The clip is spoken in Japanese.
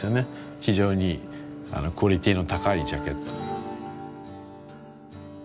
非常にクオリティーの高いジャケット。